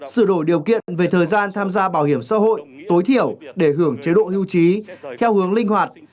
sửa đổi điều kiện về thời gian tham gia bảo hiểm xã hội tối thiểu để hưởng chế độ hưu trí theo hướng linh hoạt